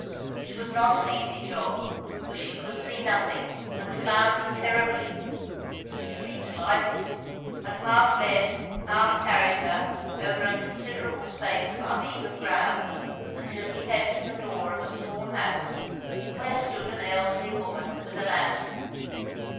It was not an easy job, for she could see nothing and floundered terribly; but he seemed to like it, and half led, half carried her over a considerable space of uneven ground, until he came to the door of a small house, where stood an elderly woman with a lantern.